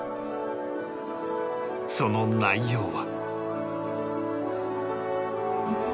その内容は